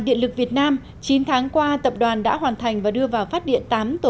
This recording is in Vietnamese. từ một trăm một mươi điện lực việt nam chín tháng qua tập đoàn đã hoàn thành đưa vào phát điện